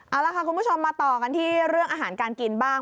เอาล่ะค่ะคุณผู้ชมมาต่อกันที่เรื่องอาหารการกินบ้าง